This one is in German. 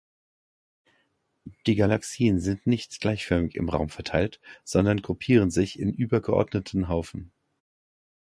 Die Galaxien sind nicht gleichförmig im Raum verteilt, sondern gruppieren sich in übergeordneten Haufen.